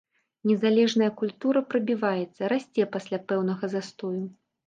Незалежная культура прабіваецца, расце пасля пэўнага застою.